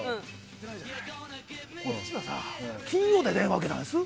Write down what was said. こっちはさ、金曜に電話を受けたんです。